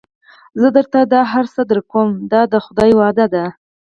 زه درته دا هر څه درکوم دا د خدای وعده ده.